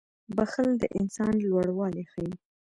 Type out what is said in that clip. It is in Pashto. • بښل د انسان لوړوالی ښيي.